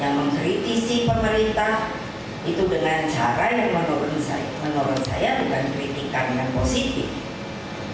yang mengkritisi pemerintah itu dengan cara yang menurut saya bukan kritikan yang positif